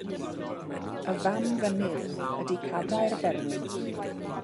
Y fam fynydd ydy Cadair Berwyn.